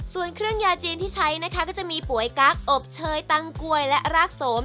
ส่วนเครื่องยาจีนที่ใช้นะคะก็จะมีป่วยกั๊กอบเชยตังกล้วยและรากสม